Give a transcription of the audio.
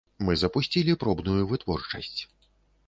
Мы запусцілі пробную вытворчасць.